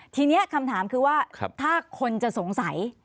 ทีนี้คำถามคือว่าถ้าคนจะสงสัย